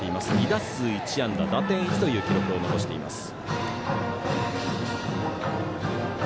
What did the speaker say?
２打数１安打、打点１という記録を残しています。